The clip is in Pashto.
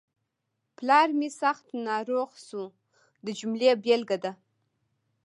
پلار مې سخت ناروغ شو د جملې بېلګه ده.